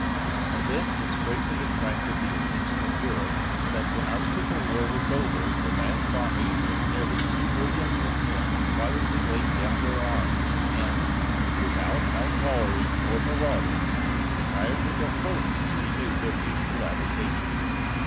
An event which greatly attracted the attention of Europe was that when our Civil War was over the vast armies of near two millions of men quietly laid down their arms and, without outlawry or marauding, retired to their homes to renew their peaceful avocations.